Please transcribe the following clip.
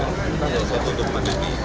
kita harus untuk menemani